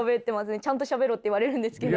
ちゃんとしゃべろって言われるんですけど。